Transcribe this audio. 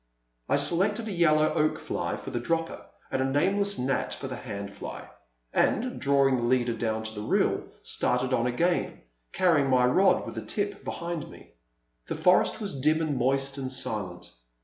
I selected a yellow Oak fly for the dropper and a nameless Gnat for the hand fly, and, drawing the leader down to the reel, started on again, carrying my rod with the tip behind me. The forest was dim and moist and silent.